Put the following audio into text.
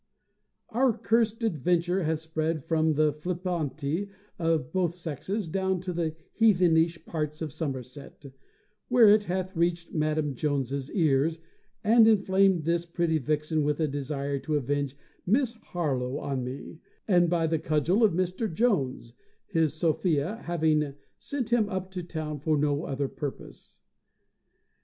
Our cursed adventure hath spread from the flippanti of both sexes down to the heathenish parts of Somerset; where it hath reached Madam Jones's ears, and inflamed this pretty vixen with a desire to avenge Miss Harlowe on me, and by the cudgel of Mr. Jones, his Sophia having sent him up to town for no other purpose.